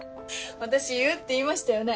私言うって言いましたよね